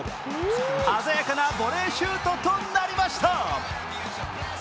鮮やかなボレーシュートとなりました。